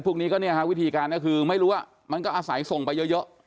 พวกนี้ก็วิธีการก็คือไม่รู้มันก็อาศัยส่งไปเยอะ